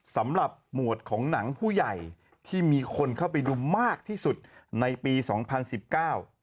สำหรับหมวดของหนังผู้ใหญ่ที่มีคนเข้าไปดูมากที่สุดในปีสองพันสิบเก้า